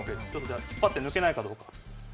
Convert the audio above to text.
引っ張って抜けないかどうか。